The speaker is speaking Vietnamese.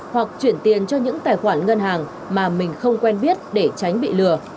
hoặc chuyển tiền cho những tài khoản ngân hàng mà mình không quen biết để tránh bị lừa